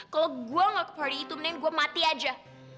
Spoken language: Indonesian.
kalo gue nggak ke party itu mending gue mati aja